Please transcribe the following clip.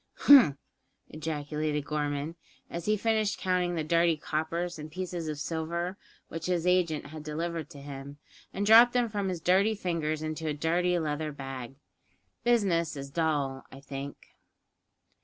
"Humph!" ejaculated Gorman, as he finished counting the dirty coppers and pieces of silver which his agent had delivered to him, and dropped them from his dirty fingers into a dirty leather bag: "Business is dull, I think."